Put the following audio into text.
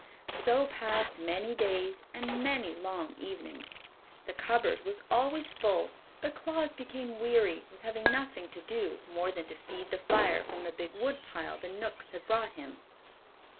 So passed many days and many long evenings. The cupboard was always full, but Claus became weary with having nothing to do more than to feed the fire from the big wood pile the Knooks had brought him.